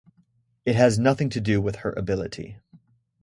It has nothing to do with her ability.